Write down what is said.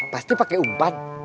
pasti pake umpan